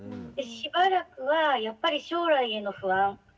でしばらくはやっぱり将来への不安。